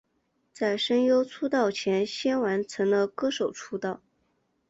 在声优出道前先完成了歌手出道。